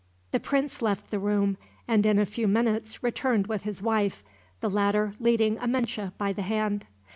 The prince left the room, and in a few minutes returned with his wife, the latter leading Amenche by the hand.